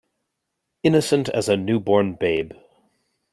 Innocent as a new born babe.